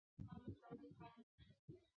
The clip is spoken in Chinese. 森尚子。